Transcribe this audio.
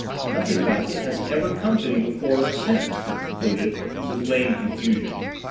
"Nothing like it has ever come to me before or since," he concluded, with lame confusion.